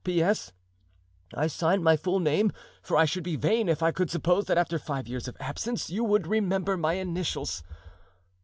"P.S.—I sign my full name, for I should be vain if I could suppose that after five years of absence you would remember my initials."